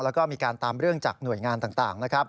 แล้วก็มีการตามเรื่องจากหน่วยงานต่างนะครับ